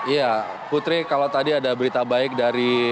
ya putri kalau tadi ada berita baik dari